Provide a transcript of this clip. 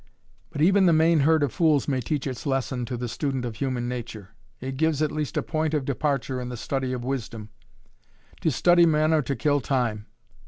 But even the main herd of fools may teach its lesson to the student of human nature. It gives at least a point of departure in the study of wisdom. To study men or to kill time.